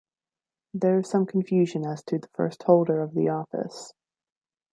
There is some confusion as to the first holder of the office.